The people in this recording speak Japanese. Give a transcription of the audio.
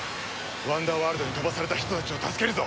ワンダーワールドに飛ばされた人たちを助けるぞ！